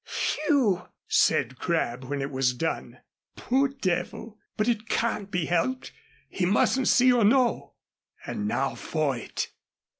"Phew!" said Crabb, when it was done. "Poor devil! But it can't be helped. He mustn't see or know. And now for it."